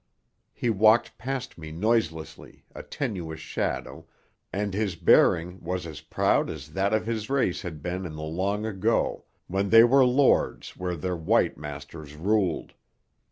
He walked past me noiselessly, a tenuous shadow, and his bearing was as proud as that of his race had been in the long ago, when they were lords where their white masters ruled.